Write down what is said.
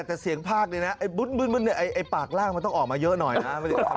แต่เสียงภาคเนี่ยนะไอ้บึ้นปากล่างมันต้องออกมาเยอะหน่อยนะ